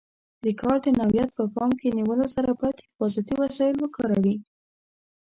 د کار د نوعیت په پام کې نیولو سره باید حفاظتي وسایل وکاروي.